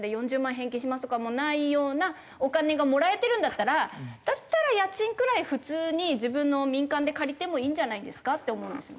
返金します」とかもないようなお金がもらえてるんだったらだったら家賃くらい普通に自分の民間で借りてもいいんじゃないですか？って思うんですよね。